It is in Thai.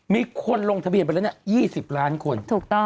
มีคนลงทะเบียนไปแล้ว๒๐ล้านคน